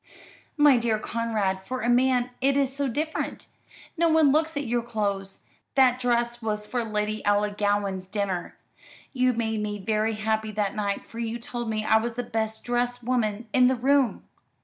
"My dear Conrad, for a man it is so different. No one looks at your clothes. That dress was for Lady Ellangowan's dinner. You made me very happy that night, for you told me I was the best dressed woman in the room."